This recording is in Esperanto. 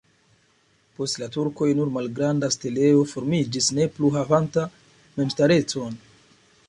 Post la turkoj nur malgranda setlejo formiĝis, ne plu havanta memstarecon.